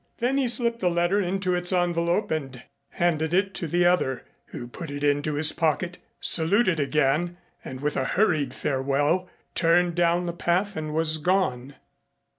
Then he slipped the letter into its envelope and handed it to the other, who put it into his pocket, saluted again and with a hurried farewell turned down the path and was gone.